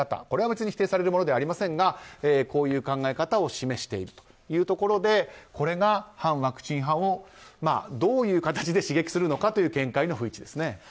これは別に否定されるものではありませんがこういう考え方を示しているというところでこれが反ワクチン派をどういう形で刺激するのかという見解の不一致ですね。